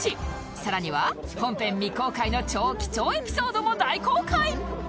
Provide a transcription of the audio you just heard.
更には本編未公開の超貴重エピソードも大公開！